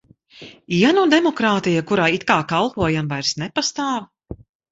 Ja nu demokrātija, kurai it kā kalpojam, vairs nepastāv?